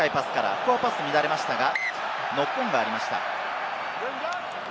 ここはパスが乱れましたが、ノックオンがありました。